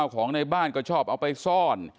ของในบ้านก็ชอบเอาไปซ่อน